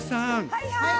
はいはい！